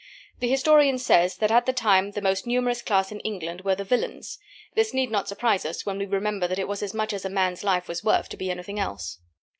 The historian says that at that time the most numerous class in England were the "villains." This need not surprise us, when we remember that it was as much as a man's life was worth to be anything else.